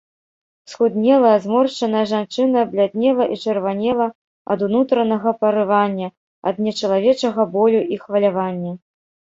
Схуднелая, зморшчаная жанчына бляднела і чырванела ад унутранага парывання, ад нечалавечага болю і хвалявання.